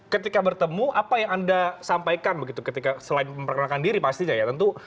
ketika bertemu apa yang anda sampaikan begitu ketika selain memperkenalkan diri pastinya ya tentu